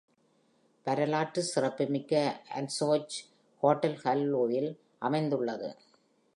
வரலாற்று சிறப்புமிக்க Ansorge hotel கர்லூவில் அமைந்துள்ளது.